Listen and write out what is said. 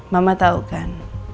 mama tau kan